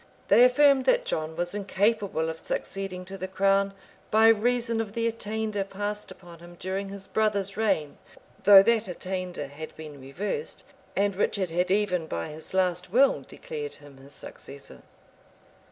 They affirmed that John was incapable of succeeding to the crown, by reason of the attainder passed upon him during his brother's reign; though that attainder had been reversed, and Richard had even, by his last will, declared him his successor.